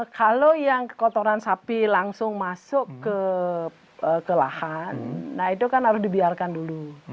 kalau yang kotoran sapi langsung masuk ke lahan nah itu kan harus dibiarkan dulu